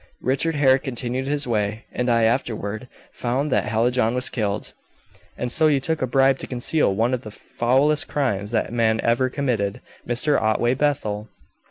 Richard Hare continued his way, and I afterward found that Hallijohn was killed." "And so you took a bribe to conceal one of the foulest crimes that man ever committed, Mr. Otway Bethel!"